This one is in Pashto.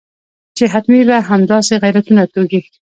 چې حتمي به همداسې غیرتونه توږي.